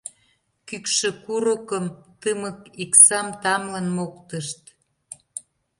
Кӱкшӧ курыкым, тымык иксам Тамлын моктышт!